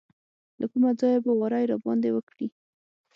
له کومه ځایه به واری راباندې وکړي.